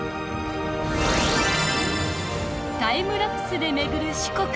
タイムラプスで巡る四国